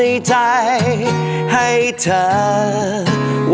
โอ้มายก็อด